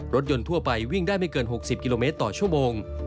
รถยนต์ทั่วไปวิ่งได้ไม่เกิน๖๐กิโลเมตรต่อชั่วโมง